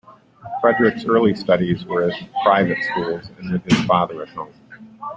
Frederic's early studies were at private schools, and with his father at home.